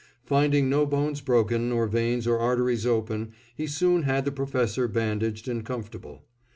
Finding no bones broken, or veins or arteries open, he soon had the Professor bandaged and comfortable.